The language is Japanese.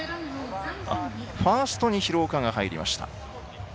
ファーストに廣岡が入りました。